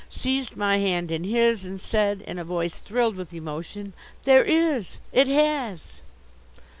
seized my hand in his, and said in a voice thrilled with emotion: "There is! It has!"